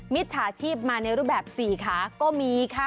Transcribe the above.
จฉาชีพมาในรูปแบบสี่ขาก็มีค่ะ